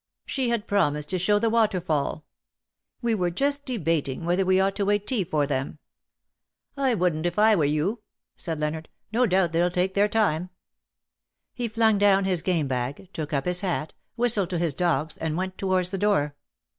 She had promised to show the waterfall. We were just debating whether we ought to wait tea for them.^^ ^^ I wouldn^t, if I were you/' said Leonard. " No doubt they'll take their time/' He flung down his game bag, took up his hat, whistled to his dogs, and went towards the door.